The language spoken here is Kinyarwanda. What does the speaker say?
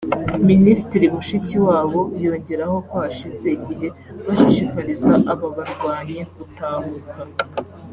Minisitiri Mushikiwabo yongeraho ko hashize igihe bashishikariza aba barwanyi gutahuka